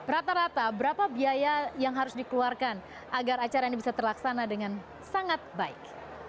rata rata berapa biaya yang harus dikeluarkan agar acara ini bisa terlaksana dengan sangat baik